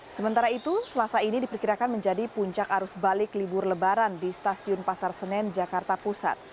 sementara itu selasa ini diperkirakan menjadi puncak arus balik libur lebaran di stasiun pasar senen jakarta pusat